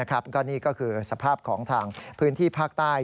ก็นี่ก็คือสภาพของทางพื้นที่ภาคใต้